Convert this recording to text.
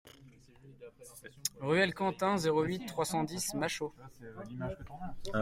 Ruelle Quentin, zéro huit, trois cent dix Machault